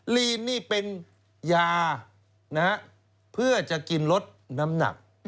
ลีนนี่เป็นยาเพื่อจะกินลดน้ำหนัก